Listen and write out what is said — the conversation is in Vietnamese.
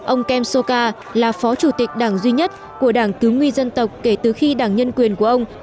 ông kem soka là phó chủ tịch đảng duy nhất của đảng cứ nguy dân tộc kể từ khi đảng nhân quyền của ông